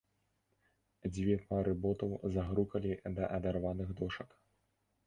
Дзве пары ботаў загрукалі да адарваных дошак.